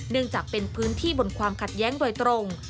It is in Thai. จากเป็นพื้นที่บนความขัดแย้งโดยตรง